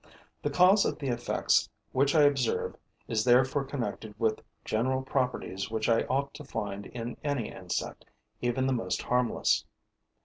The cause of the effects which I observe is therefore connected with general properties which I ought to find in any insect, even the most harmless.